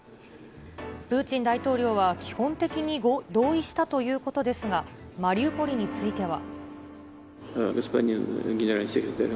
プーチン大統領は基本的に同意したということですが、マリウポリについては。